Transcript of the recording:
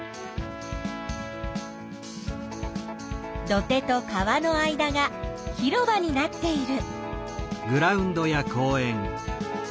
土手と川の間が広場になっている。